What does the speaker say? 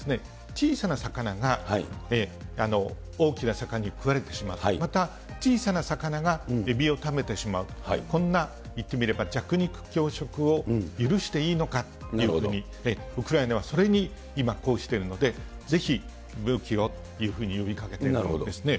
小さな魚が大きな魚に食われてしまう、また小さな魚がエビを食べてしまうと、こんな、言ってみれば弱肉強食を許していいのかというふうに、ウクライナはそれに今、こうしているので、ぜひ武器をというふうに呼びかけているんですね。